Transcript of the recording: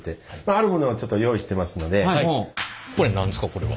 これは。